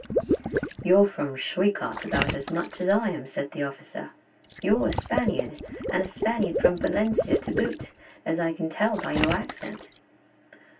"'You're from Schwekat about as much as I am,' said the officer: 'you're a Spaniard, and a Spaniard from Valencia to boot, as I can tell by your accent.'